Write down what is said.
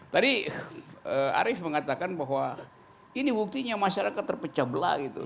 tadi arief mengatakan bahwa ini buktinya masyarakat terpecah belah gitu